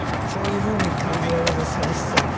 そういうふうに感じられる寂しさ